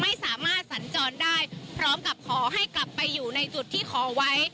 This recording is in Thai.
ไม่สามารถสัญจรได้พร้อมกับขอให้กลับไปอยู่ในจุดที่ขอไว้